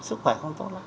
sức khỏe không tốt lắm